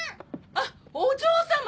あっお嬢様！